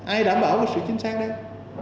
ai đảm bảo sự chính xác đấy